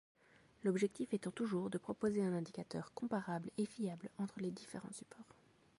L'objectif étant toujours de proposer un indicateur comparable et fiable entre les différents supports.